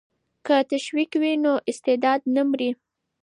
که تشویق وي نو استعداد نه مري.